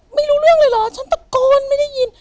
ไม่รู้เรื่องเลยเหรอฉันตะโกนไม่ได้ยิน